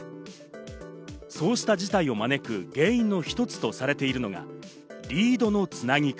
そうした事態を招く原因の一つとされているのが、リードのつなぎ方。